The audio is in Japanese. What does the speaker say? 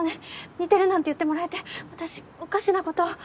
「似てる」なんて言ってもらえて私おかしなことを。